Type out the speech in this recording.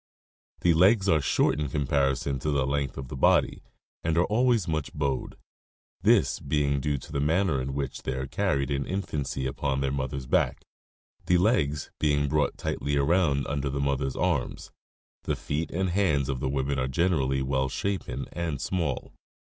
The legs are short in comparison to the length of the body and are always much bowed, this being due to the manner in which they are carried in infancy upon their mother's back, the legs being brought tightly around under the mother's arms. The feet and hands of the women are generally well shapen and small.